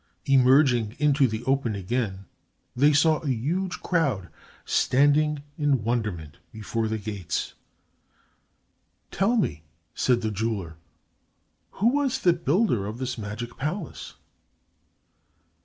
Emerging into the open again, they saw a huge crowd standing in wonderment before the gates. "Tell me," said the jeweler, "who was the builder of this magic palace."